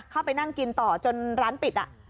เข้าไปนั่งกินต่อจนร้านปิด